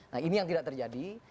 nah ini yang tidak terjadi